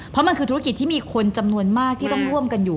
เพราะมันคือธุรกิจที่มีคนจำนวนมากที่ต้องร่วมกันอยู่